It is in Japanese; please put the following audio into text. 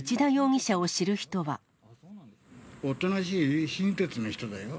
おとなしい、親切な人だよ。